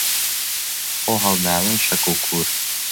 خۆ هەڵداوێن شەک و کوور